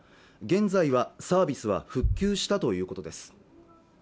現在はサービスは復旧したということです